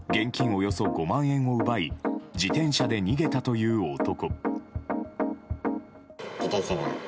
およそ５万円を奪い自転車で逃げたという男。